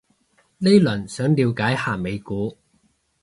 呢輪想了解下美股